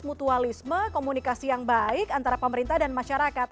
mutualisme komunikasi yang baik antara pemerintah dan masyarakat